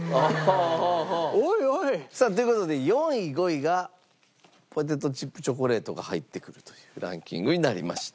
さあという事で４位５位がポテトチップチョコレートが入ってくるというランキングになりました。